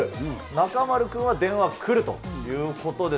中丸君は、電話くるということで。